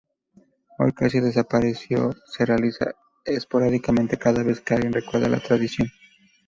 Hoy, casi desaparecido, se realiza esporádicamente, cada vez que alguien recuerda la tradición.